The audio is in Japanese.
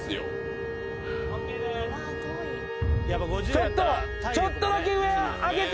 ちょっとちょっとだけ上上げて。